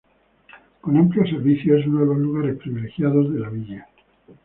Con amplios servicios es uno de los lugares privilegiados de la villa.